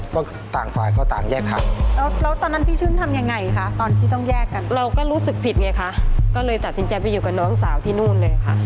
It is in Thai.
คนข้างหรือคนที่เจอก็คิดว่าเราตายแล้วนะ